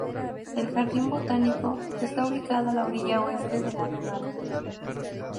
El jardín botánico está ubicado a la orilla oeste del lago Garda.